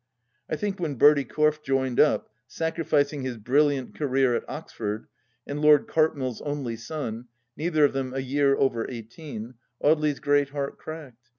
I think when Bertie Corfe joined up, sacrificing his brilliant career at Oxford, and Lord Cartmel's only son — ^neither of them a year over eighteen— Audely's great heart cracked.